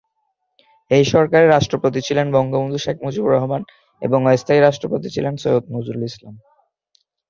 এই সরকারের রাষ্ট্রপতি ছিলেন বঙ্গবন্ধু শেখ মুজিবুর রহমান এবং অস্থায়ী রাষ্ট্রপতি ছিলেন সৈয়দ নজরুল ইসলাম।